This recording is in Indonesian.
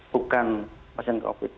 bukan pasien covid sembilan belas